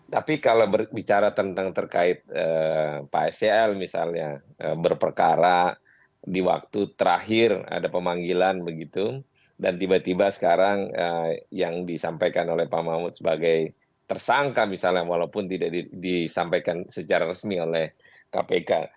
tapi kalau bicara tentang terkait pak sel misalnya berperkara di waktu terakhir ada pemanggilan begitu dan tiba tiba sekarang yang disampaikan oleh pak mahmud sebagai tersangka misalnya walaupun tidak disampaikan secara resmi oleh kpk